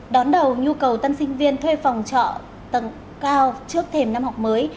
đón đầu nhu cầu tân sinh viên thuê phòng trọ tầng cao trước thềm năm học mới